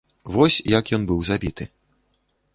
Вось як ён быў забіты.